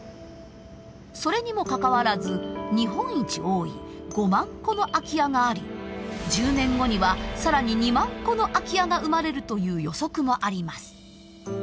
それにもかかわらず日本一多い５万戸の空き家があり１０年後には更に２万戸の空き家が生まれるという予測もあります。